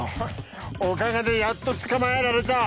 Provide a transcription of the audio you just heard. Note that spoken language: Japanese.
おかげでやっとつかまえられた。